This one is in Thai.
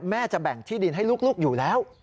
จะแบ่งที่ดินให้ลูกอยู่แล้ว